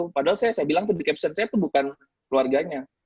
padahal saya bilang ke dikepsen saya itu bukan keluarganya